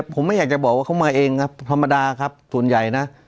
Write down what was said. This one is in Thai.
ผมไม่อยากจะบอกว่าเขามาเองครับธรรมดาครับส่วนใหญ่นะ